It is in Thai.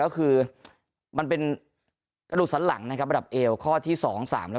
ก็คือมันเป็นกระดูกสันหลังนะครับระดับเอวข้อที่สองสามแล้ว